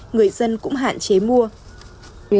người dân cũng hạn chế mua